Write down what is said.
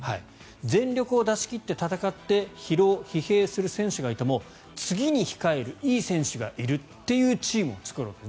全力を出し切って戦って疲労・疲弊する選手がいても次に控えるいい選手がいるというチームを作ろうと。